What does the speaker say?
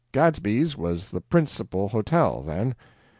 Gadsby's was the principal hotel, then.